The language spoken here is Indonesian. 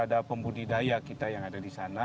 ada pembudidaya kita yang ada di sana